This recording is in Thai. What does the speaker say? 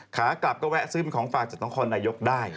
ขากลับก็แวะซื้อเป็นของฝากจากนครนายกได้